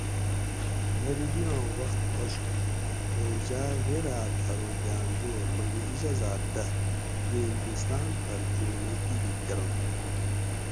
غریبی آں وخت آشو لوک جاۤ غیراۤت ارو گاۤن دور مکۂ اجا زات دہ یہ ہندوستان پھر چو مزدیری کرنت